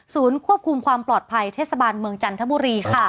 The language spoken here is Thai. ควบคุมความปลอดภัยเทศบาลเมืองจันทบุรีค่ะ